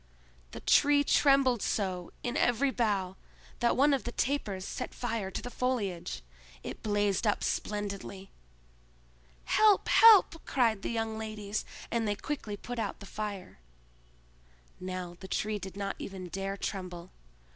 The Tree trembled so in every bough that one of the tapers set fire to the foliage. It blazed up splendidly. "Help! help!" cried the young ladies, and they quickly put out the fire. Now the Tree did not even dare tremble.